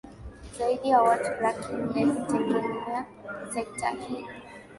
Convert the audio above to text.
Zaidi ya watu laki nne hutegemea sekta hii